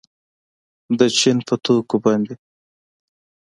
د چین په توکو باندې